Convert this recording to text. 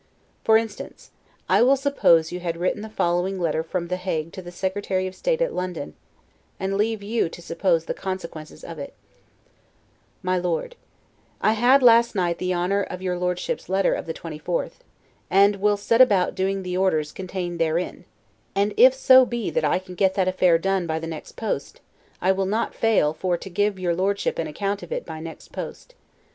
For instance, I will suppose you had written the following letter from The Hague to the Secretary of State at London; and leave you to suppose the consequences of it: MY LORD: I HAD, last night, the honor of your Lordship's letter of the 24th; and will SET ABOUT DOING the orders contained THEREIN; and IF so BE that I can get that affair done by the next post, I will not fail FOR TO give your Lordship an account of it by NEXT POST.